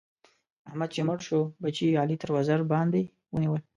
احمد چې مړ شو؛ بچي يې علي تر وزر باندې ونيول.